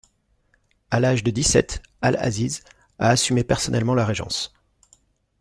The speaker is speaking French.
À l'âge de dix-sept al-Aziz a assumé personnellement la régence.